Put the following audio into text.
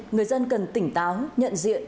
người dân cần tỉnh táo nhận diện